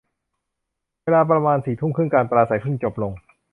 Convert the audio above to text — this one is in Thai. เวลาประมาณสี่ทุ่มครึ่ง การปราศรัยเพิ่งจบลง